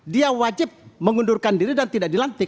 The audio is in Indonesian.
dia wajib mengundurkan diri dan tidak dilantik